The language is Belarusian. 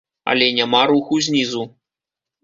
Але няма руху знізу.